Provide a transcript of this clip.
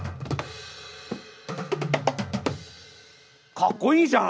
かっこいいじゃん！